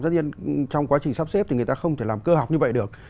tất nhiên trong quá trình sắp xếp thì người ta không thể làm cơ học như vậy được